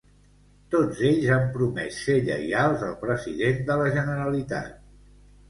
Tots ells han promès ser lleials al president de la Generalitat.